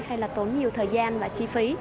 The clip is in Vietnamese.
hay là tốn nhiều thời gian và chi phí